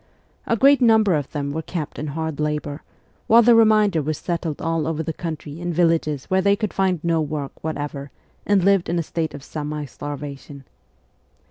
A great number of them were kept in hard labour, while the remainder were settled all over the country in villages where they could find no work whatever and lived in a state of semi starvation.